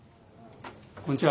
こんにちは